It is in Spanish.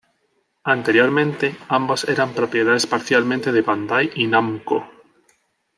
Anteriormente, ambos eran propiedades parcialmente de Bandai y Namco.